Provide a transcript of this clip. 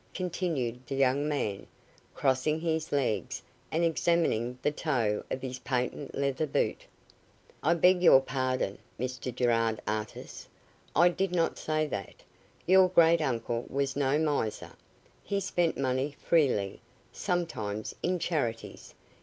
continued the young man, crossing his legs, and examining the toe of his patent leather boot. "I beg your pardon, Mr Gerard Artis, I did not say that. Your great uncle was no miser. He spent money freely, sometimes, in charities.